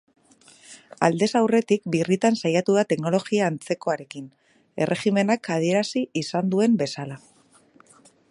Aldez aurretik birritan saiatu da teknologia antzekoarekin, erregimenak adierazi izan duen bezala.